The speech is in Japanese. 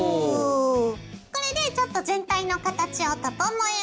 これでちょっと全体の形を整えます。